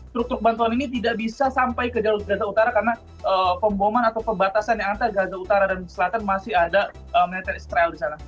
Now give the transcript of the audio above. truk truk bantuan ini tidak bisa sampai ke jalur gaza utara karena pemboman atau pebatasan antara gaza utara dan selatan masih ada